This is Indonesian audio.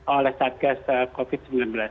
oleh satgas covid sembilan belas